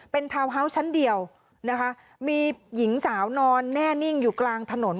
เป็นทาวน์ฮาวส์ชั้นเดียวนะคะมีหญิงสาวนอนแน่นิ่งอยู่กลางถนน